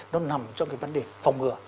nó nằm trong cái vấn đề phòng ngừa